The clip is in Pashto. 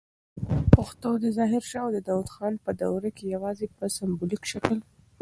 پښتو د ظاهر شاه او داود خان په دوروکي یواځې په سمبولیک شکل